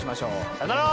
さようなら。